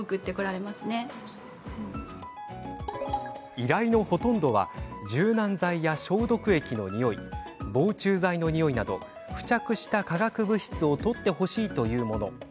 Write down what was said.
依頼のほとんどは柔軟剤や消毒液のにおい防虫剤のにおいなど付着した化学物質を取ってほしいというもの。